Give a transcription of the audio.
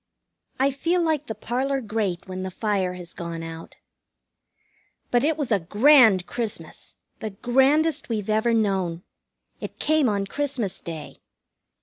I feel like the parlor grate when the fire has gone out. But it was a grand Christmas, the grandest we've ever known. It came on Christmas Day.